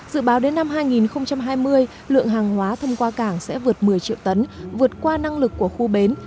dự báo đến năm hai nghìn hai mươi lượng hàng hóa thông qua cảng sẽ vượt một mươi triệu tấn vượt qua năng lực của khu bến